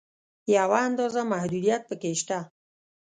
یوه اندازه محدودیت په کې شته.